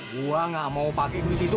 gua nggak mau pake duit itu